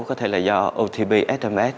có thể là do otp sms